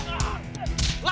malah banyak yang tahu jan